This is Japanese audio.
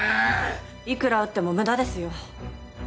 いくら撃っても無駄ですよ